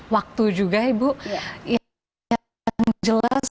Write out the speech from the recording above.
waktu juga ibu iya jelas bahwa ibu insana sudah metik ternyata tidak hanya material